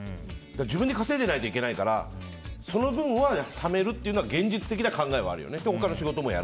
自分で稼いでないといけないからその分はためるという現実的な考えはあるよね。